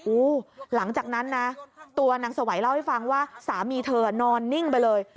หลังจากนั้นนะตัวนางสวัยเล่าให้ฟังว่าสามีเธอนอนนิ่งไปเลย